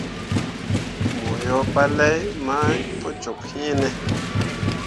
Mo yo palai mai pu cok yeb iŋ ne.